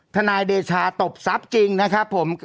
นายเดชาตบทรัพย์จริงนะครับผม